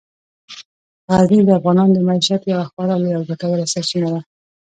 غزني د افغانانو د معیشت یوه خورا لویه او ګټوره سرچینه ده.